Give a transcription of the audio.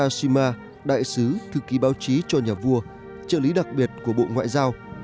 ngài hatsuhisa takashima đại sứ thư ký báo chí cho nhà vua trợ lý đặc biệt của bộ ngoại giao